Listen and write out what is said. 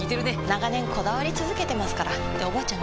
長年こだわり続けてますからっておばあちゃん